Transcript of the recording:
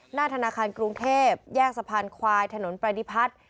หน้าธนาคารกรุงเทพแยกสะพานควายถนนประดิพัฒน์